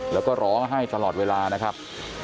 แล้วก็ร้องไห้ตลอดเวลานะครับ